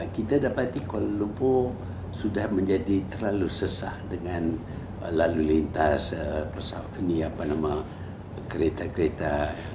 kita dapati kuala lumpur sudah menjadi terlalu sesat dengan lalu lintas kereta kereta